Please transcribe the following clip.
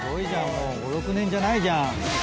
もう５６年じゃないじゃん。